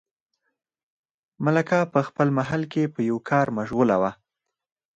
ملکه په خپل محل کې په یوه کار مشغوله وه.